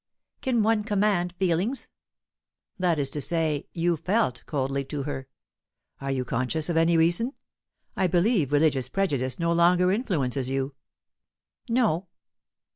"Can one command feelings?" "That is to say, you felt coldly to her. Are you conscious of any reason? I believe religious prejudice no longer influences you?" "No."